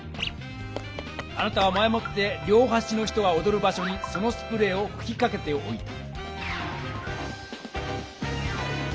あなたは前もって両はしの人がおどる場所にそのスプレーをふきかけておいた。